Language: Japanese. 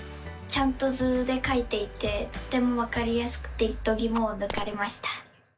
ちゃんと図でかいていてとてもわかりやすくてどぎもをぬかれました！